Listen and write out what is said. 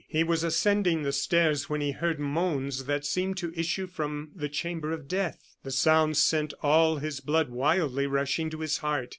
He was ascending the stairs when he heard moans that seemed to issue from the chamber of death. The sound sent all his blood wildly rushing to his heart.